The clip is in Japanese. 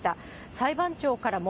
裁判長からも、